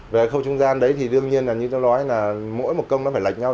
về khâu trung gian đấy thì đương nhiên là như tôi nói là mỗi một công nó phải lạch nhau